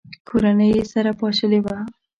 کورنۍ یې سره پاشلې وه.